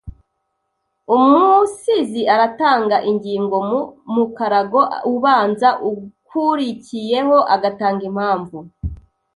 Umusizi aratanga ingingo mu mukarago ubanza ukurikiyeho agatanga impamvu